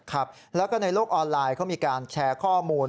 ครับแล้วก็ในโลกออนไลน์เขามีการแชร์ข้อมูล